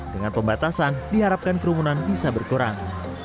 dengan pembatasan diharapkan kerumunan bisa berkurang